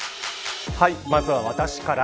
まずは私から。